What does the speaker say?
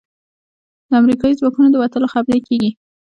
د امریکايي ځواکونو د وتلو خبرې کېږي.